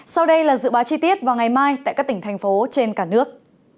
sau đây là dự báo chi tiết vào ngày mai tại các tỉnh thành phố trên cả nước